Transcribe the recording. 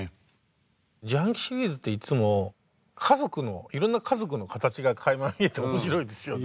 自販機シリーズっていつもいろんな家族の形がかいま見えて面白いですよね。